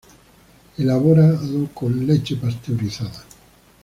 Elaborado con leche pasteurizada.